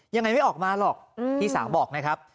ยังไงไม่ออกมาหรอกพี่สาวบอกนะครับ